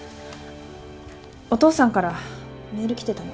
お父さんからメール来てたの。